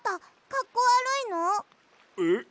かっこわるいの？え？